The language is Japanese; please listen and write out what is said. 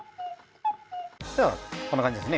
こんな感じですね